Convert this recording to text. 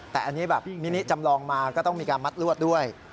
แต่อันนี้แบบมินิจำลองมาก็ต้องมีการมัดลวดด้วย